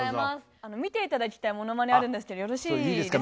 見て頂きたいものまねあるんですけどよろしいですか？